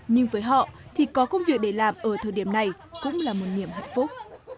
nhưng với họ thì có công việc để làm ở thời điểm này cũng là một niềm hạnh phúc